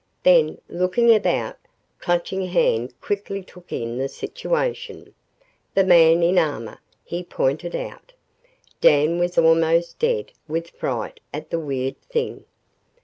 Then, looking about, Clutching Hand quickly took in the situation. "The man in armor!" he pointed out. Dan was almost dead with fright at the weird thing.